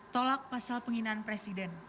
tolak pasal penghinaan presiden